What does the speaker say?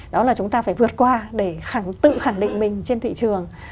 đó là chúng ta phải vượt qua để tự khẳng định mình trên thị trường